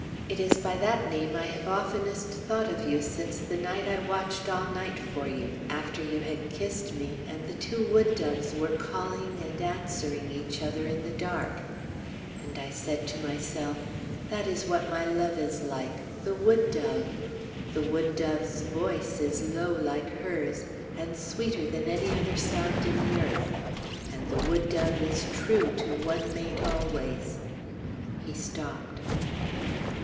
"It is by that name I have oftenest thought of you since the night I watched all night for you, after you had kissed me, and two wood doves were calling and answering each other in the dark; and I said to myself, that is what my love is like, the wood dove: the wood dove's voice is low like hers, and sweeter than any other sound in the earth; and the wood dove is true to one mate always " He stopped.